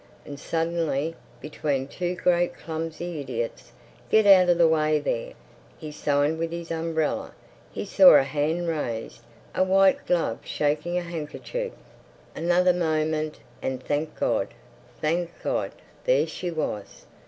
And suddenly, between two great clumsy idiots—"Get out of the way there!" he signed with his umbrella—he saw a hand raised—a white glove shaking a handkerchief. Another moment, and—thank God, thank God!—there she was.